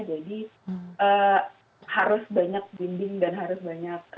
jadi harus banyak bimbing dan harus banyak